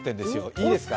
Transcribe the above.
いいですか？